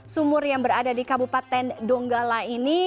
sumur yang berada di kabupaten donggala ini